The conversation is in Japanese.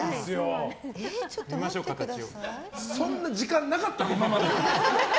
そんな時間なかった、今まで。